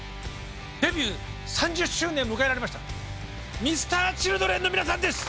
デビュー３０周年を迎えられましたＭｒ．Ｃｈｉｌｄｒｅｎの皆さんです。